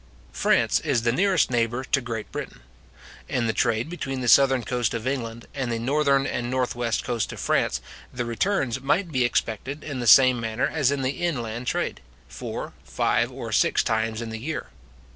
France is the nearest neighbour to Great Britain. In the trade between the southern coast of England and the northern and north western coast of France, the returns might be expected, in the same manner as in the inland trade, four, five, or six times in the year.